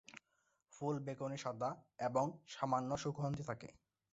ফুল বেগুনি-সাদা এবং সামান্য সুগন্ধি থাকে।